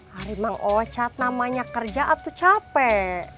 hari mang ocat namanya kerja atau capek